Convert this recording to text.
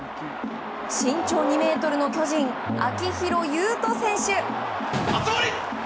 身長２ｍの巨人、秋広優人選手。